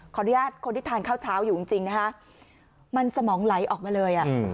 อนุญาตคนที่ทานข้าวเช้าอยู่จริงนะคะมันสมองไหลออกมาเลยอ่ะ